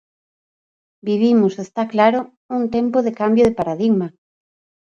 Vivimos, está claro, un tempo de cambio de paradigma.